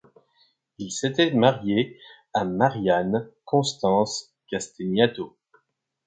Il s'était marié à Marianne Constance Castagneto.